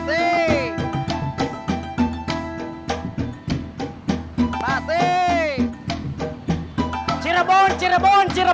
jadi kita khusus jalan